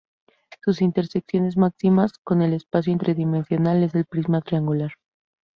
Su intersección máxima con el espacio tridimensional es el prisma triangular.